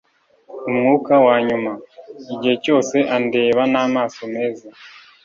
umwuka wanyuma. igihe cyose andeba n'amaso meza